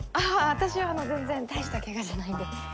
私はあの全然大したケガじゃないんで。